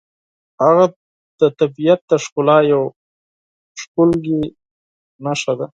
هغه د طبیعت د ښکلا یوه ښکلې نښه ده.